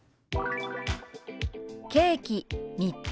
「ケーキ３つ」。